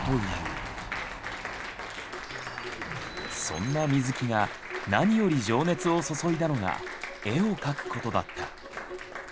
そんな水木が何より情熱を注いだのが絵を描くことだった。